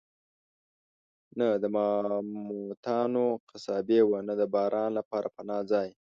نه د ماموتانو قصابي وه، نه د باران لپاره پناه ځای.